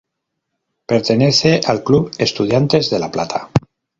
Pertenece al club Estudiantes de La Plata.